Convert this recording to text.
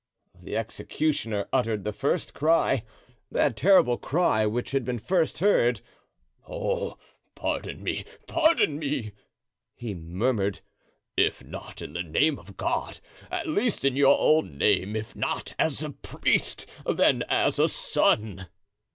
The executioner uttered the first cry, that terrible cry which had been first heard. "Oh, pardon me, pardon me!" he murmured; "if not in the name of God, at least in your own name; if not as priest, then as son."